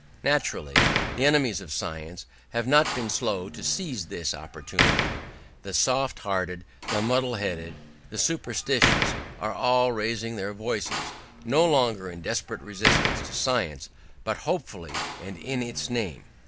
Naturally the enemies of science have not been slow to seize this opportunity: the soft hearted, the muddle headed, the superstitious are all raising their voices, no longer in desperate resistance to science, but hopefully, and in its name.